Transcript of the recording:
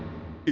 え！